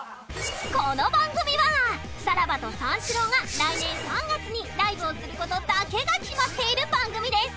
この番組はさらばと三四郎が来年３月にライブをする事だけが決まっている番組です